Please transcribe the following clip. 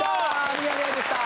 『ミヤネ屋』でした。